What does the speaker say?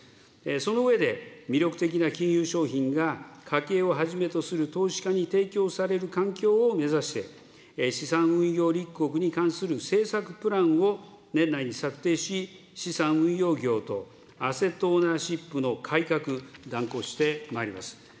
その上で、魅力的な金融商品が家計をはじめとする投資家に提供される環境を目指して、資産運用立国に関する政策プランを年内に策定し、資産運用業とアセットオーナーシップの改革、断行してまいります。